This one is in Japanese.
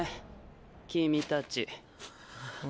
君たち。は。